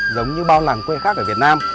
giống như bao làng quê khác ở việt nam